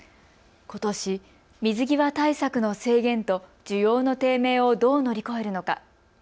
ことし、水際対策の制限と需要の低迷をどう乗り越えるのか。